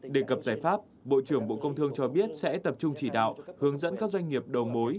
đề cập giải pháp bộ trưởng bộ công thương cho biết sẽ tập trung chỉ đạo hướng dẫn các doanh nghiệp đầu mối